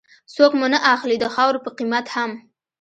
څوک مو نه اخلي د خاورو په قيمت هم